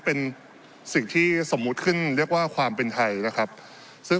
เป็นสิ่งที่สมมุติขึ้นเรียกว่าความเป็นไทยนะครับซึ่ง